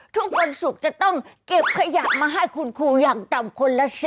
ทุกวันศุกร์จะต้องเก็บขยะมาให้คุณครูอย่างต่ำคนละ๑๐